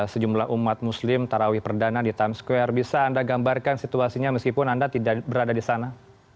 sejumlah umat muslim tarawih perdana di times square bisa anda gambarkan situasinya meskipun anda tidak berada di sana